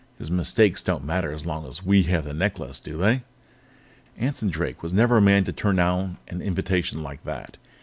"His mistakes don't matter as long as we have the necklace, do they?" Anson Drake was never a man to turn down an invitation like that.